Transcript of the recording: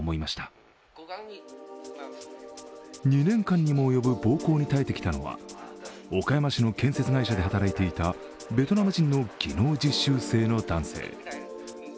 ２年間にも及ぶ暴行に耐えてきたのは岡山市の建設会社で働いていたベトナム人の技能実習生の男性。